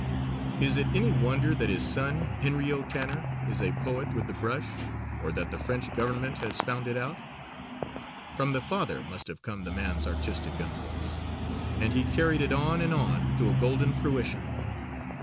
Is it any wonder that his son, Henry O. Tanner, is a poet with the brush or that the French Government has found it out? From the father must have come the man's artistic impulse, and he carried it on and on to a golden fruition.